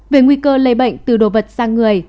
về nguy cơ lây bệnh từ đồ vật sang người